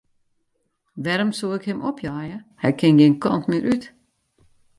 Wêrom soe ik him opjeie, hy kin gjin kant mear út.